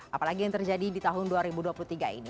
apalagi yang terjadi di tahun dua ribu dua puluh tiga ini